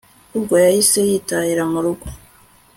ubwo yahise yitahira murugo